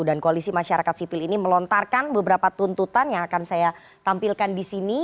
dan koalisi masyarakat sipil ini melontarkan beberapa tuntutan yang akan saya tampilkan di sini